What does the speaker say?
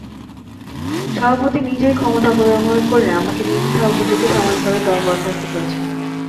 সভাপতি নিজেই ক্ষমতার অপব্যবহার করে আমাকে মিথ্যা অভিযোগে সাময়িকভাবে বরখাস্ত করেছেন।